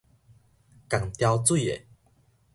仝條水个